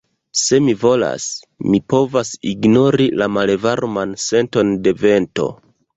Se mi volas, mi povas ignori la malvarman senton de vento.